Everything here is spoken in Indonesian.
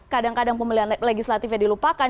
kadang kadang pemilihan legislatif yang dilupakan